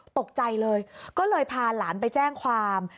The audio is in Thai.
ตกใจเลยก็เลยพาหลานไปแจ้งความ